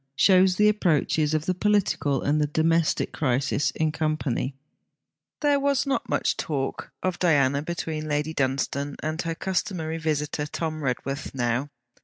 SHOWS THE APPROACHES OF THE POLITICAL AND THE DOMESTIC CRISIS IN COMPANY There was not much talk of Diana between Lady Dunstane and her customary visitor Tom Redworth now.